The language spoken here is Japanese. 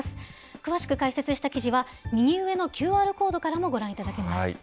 詳しく解説した記事は、右上のＱＲコードからもご覧いただけます。